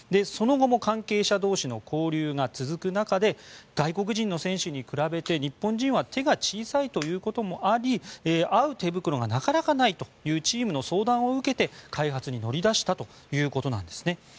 その後も関係者同士の交流が続く中で外国人の選手に比べて日本人は手が小さいということもあり合う手袋がなかなかないというチームの相談を受けて開発に乗り出したということです。